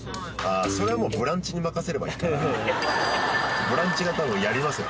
あそれはもう「ブランチ」に任せればいいから「ブランチ」が多分やりますよ